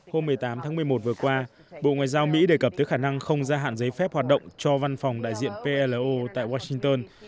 hôm một mươi tám tháng một mươi một vừa qua bộ ngoại giao mỹ đề cập tới khả năng không gia hạn giấy phép hoạt động cho văn phòng đại diện plo tại washington